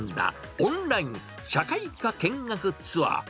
オンライン社会科見学ツアー。